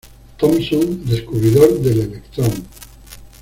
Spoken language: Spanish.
Thomson, descubridor del electrón.